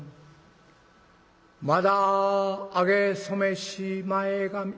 『まだあげ初めし前髪』。